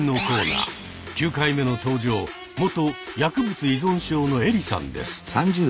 ９回目の登場元薬物依存症のエリさんです。